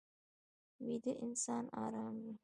ویده انسان ارام وي